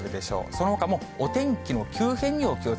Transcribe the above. そのほかもお天気の急変にお気を